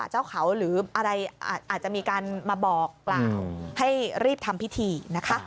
หรืออะไรอาจจะมีการมาบอกล่ะให้รีบทำพิธีนะครับ